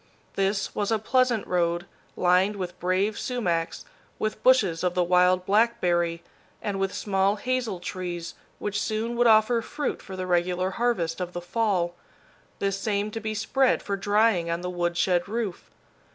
This was a pleasant road, lined with brave sumacs, with bushes of the wild blackberry, and with small hazel trees which soon would offer fruit for the regular harvest of the fall, this same to be spread for drying on the woodshed roof.